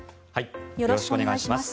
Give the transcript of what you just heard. よろしくお願いします。